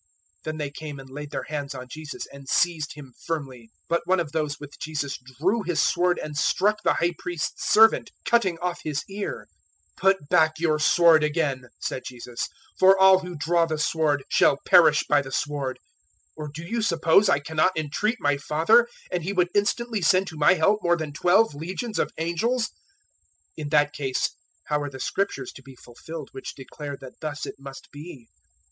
Then they came and laid their hands on Jesus and seized Him firmly. 026:051 But one of those with Jesus drew his sword and struck the High Priest's servant, cutting off his ear. 026:052 "Put back your sword again," said Jesus, "for all who draw the sword shall perish by the sword. 026:053 Or do you suppose I cannot entreat my Father and He would instantly send to my help more than twelve legions of angels? 026:054 In that case how are the Scriptures to be fulfilled which declare that thus it must be?"